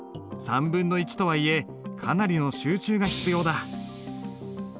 1/3とはいえかなりの集中が必要だ。